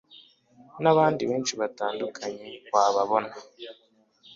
n'abandi benshi batandukanye wababona.